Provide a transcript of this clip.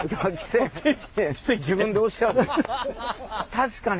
確かに。